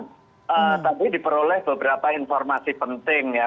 tapi diperoleh beberapa informasi penting ya